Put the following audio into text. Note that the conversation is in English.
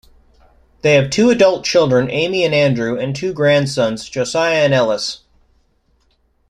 They have two adult children, Amy and Andrew, and two grandsons, Josiah and Ellis.